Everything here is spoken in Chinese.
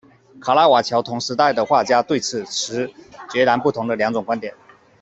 卡拉瓦乔同时代的画家对此持截然不同的两种观点。